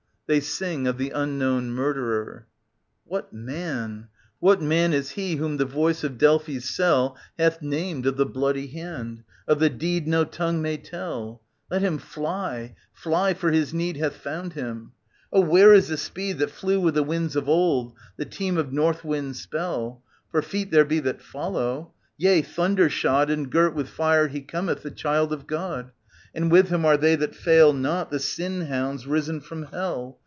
[ They sing of the unknown murder er^ What man, what man is he whom the voice of Delphi's cell Hath named of the bloody hand, of the deed no tongue may tell ? Let him fly, fly, for his need Hath found him ; oh, where is the speed That flew with the winds of old, the team of North Wind's spell ? For feet there be that follow. Yea, thunder shod And girt with fire he cometh, the Child of God j And with him are they that foil not, the Sin Hounds risen from Hell.